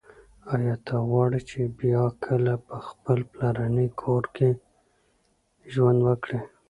ایا ته غواړي چې بیا کله په خپل پلرني کور کې ژوند وکړې؟